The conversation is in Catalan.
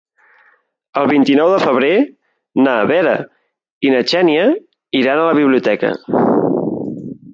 El vint-i-nou de febrer na Vera i na Xènia iran a la biblioteca.